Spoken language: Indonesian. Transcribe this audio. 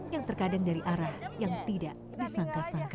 yang terkadang dari arah yang tidak disangka sangka